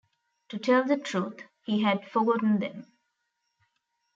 To tell the truth — he had forgotten them.